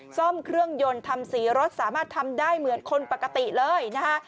ซ่อมเครื่องยนต์ทำสีรถสามารถทำได้เหมือนคนปกติเลยนะคะ